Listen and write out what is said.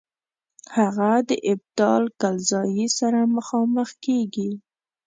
هغه د ابدال کلزايي سره مخامخ کیږي.